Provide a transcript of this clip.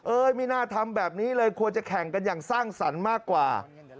ไม่น่าทำแบบนี้เลยควรจะแข่งกันอย่างสร้างสรรค์มากกว่า